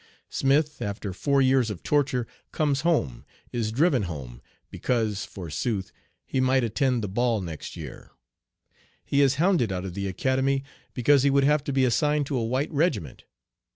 Smith, after four years of torture, comes home, is driven home, because, forsooth, he might attend the ball next year! He is hounded out of the Academy because he would have to be assigned to a white regiment!